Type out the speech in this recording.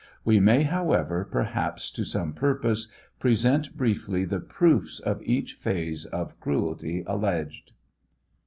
We may, however, perhaps to some purpose, present briefly the proofs of each phase of cruelty alleged.